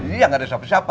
iya gak ada siapa siapa